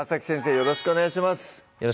よろしくお願いします